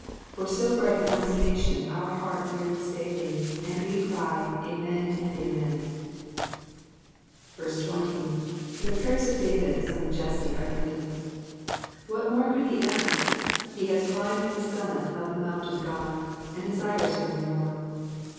For so bright a consummation our heart yearns daily, and we cry "' Amen.and Amen.''* 20. 7y<d prayern (f David (he son of Jtsse are ended.'' What more could he ask ? He has climbed the summit of the mount of God ; he desires nothing more.